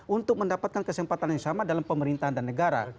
untuk mendapatkan kesempatan yang sama dalam pemerintahan dan negara